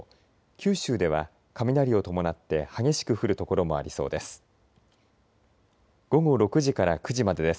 九州では雷を伴って激しく降る所もありそうです。